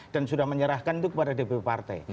dan sudah menyerahkan itu kepada dpp partai